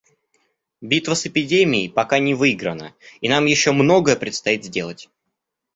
Битва с эпидемией пока не выиграна, и нам еще многое предстоит сделать.